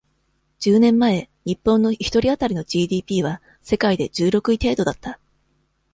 十年前、日本の一人当たりの ＧＤＰ は、世界で、十六位程度だった。